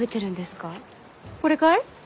これかい？